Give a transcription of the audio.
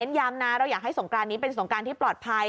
เต้นยามเราอยากให้ฐ้งการนี้เป็นฐ้งการที่ปลอดภัย